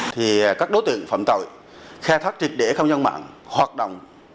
thì các đối tượng phạm tội khe thắt trịt để không nhân mạng hoạt động